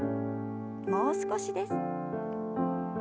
もう少しです。